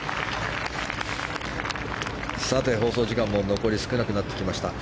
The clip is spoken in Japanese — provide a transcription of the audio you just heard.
放送時間も残り少なくなってきました。